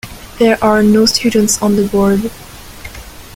There are no students on the Board.